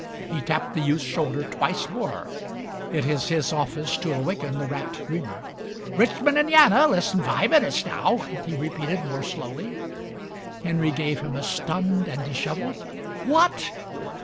He tapped the youth's shoulder twice more; it is his office to awaken the rapt dreamer. "Richmon/ In'iana, less'n fi' minutes now," he repeated more slowly. Henry gave him a stunned and dishevelled "What?"